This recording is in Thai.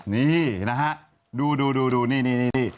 นี่นะฮะดูนี่